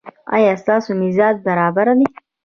ایا ستاسو مزاج برابر دی؟